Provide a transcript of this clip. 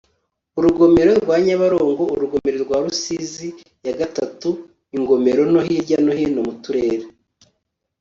urugomero rwa nyabarongo, urugomero rwa rusizi iii, ingomero nto hirya no hino mu turere